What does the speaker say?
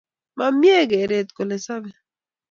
Mamie keret kole sobe